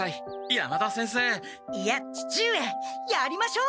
山田先生いや父上やりましょう！